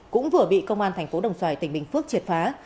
cũng vừa bị công an thành phố đồng xoài tỉnh bình phước triệt phá